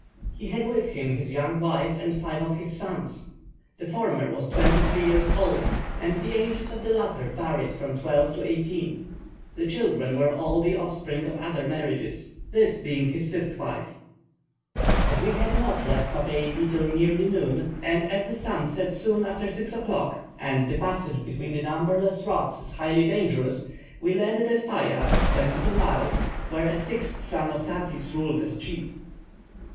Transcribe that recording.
He had with him his young wife and five of his sons; the former was twenty three years old, and the ages of the latter varied from twelve to eighteen. The children were all the offspring of other marriages, this being his fifth wife. As we had not left Papeiti till nearly noon, and as the sun sets soon after six o'clock, and the passage between the numberless rocks is highly dangerous, we landed at Paya (22 miles), where a sixth son of Tati's ruled as chief.